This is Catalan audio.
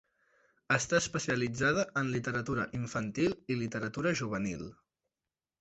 Està especialitzada en literatura infantil i literatura juvenil.